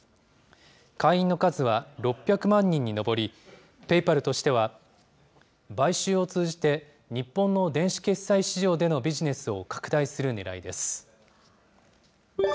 会員の数は６００万人に上り、ペイパルとしては、買収を通じて日本の電子決済市場でのビジネスを拡大するねらいです。